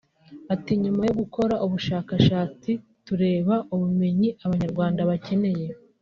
Ati “Nyuma yo gukora ubushakashatsi tureba ubumenyi Abanyarwanda bakeneye